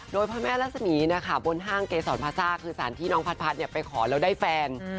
โดยพระแม่รัศมีร์นะคะบนห้างเกษรพาซ่าคือสารที่น้องพัดไปขอแล้วได้แฟน